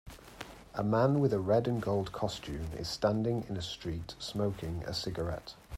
A man with a red and gold costume is standing in a street smoking a cigarette.